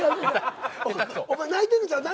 お前泣いてるんちゃう？